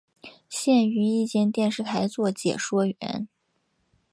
现于一间电视台做解说员。